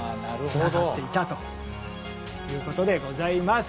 つながっていたということでございます。